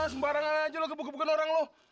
sembarang aja lo gebu gebukin orang lo